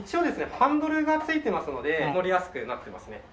ハンドルがついてますので乗りやすくなってますね。